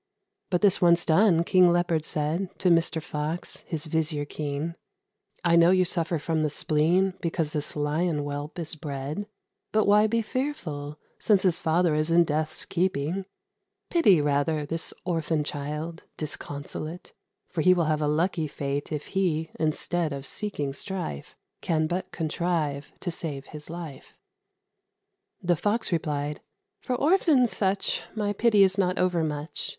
But this once done, King Leopard said To Mr. Fox, his vizier keen, [Illustration: THE LION.] "I know you suffer from the spleen, Because this Lion whelp is bred. But why be fearful, since his father Is in deaths keeping? Pity, rather, This orphan child, disconsolate, For he will have a lucky fate, If he, instead of seeking strife, Can but contrive to save his life." The Fox replied, "For orphans such My pity is not over much.